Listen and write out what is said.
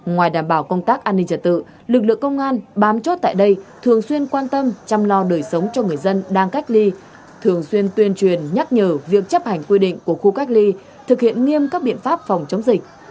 ngoài đảm bảo công tác an ninh trật tự lực lượng công an bám chốt tại đây thường xuyên quan tâm chăm lo đời sống cho người dân đang cách ly thường xuyên tuyên truyền nhắc nhở việc chấp hành quy định của khu cách ly thực hiện nghiêm các biện pháp phòng chống dịch